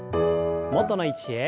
元の位置へ。